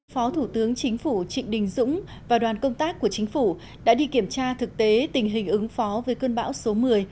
phó thủ tướng chính phủ trịnh đình dũng và đoàn công tác của chính phủ đã đi kiểm tra thực tế tình hình ứng phó với cơn bão số một mươi